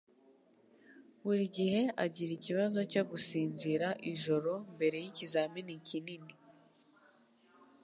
buri gihe agira ikibazo cyo gusinzira ijoro mbere yikizamini kinini